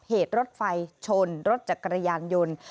เหตุรถไฟชนรถจักรยานยนต์